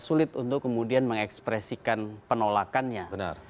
sulit untuk kemudian mengekspresikan penolakannya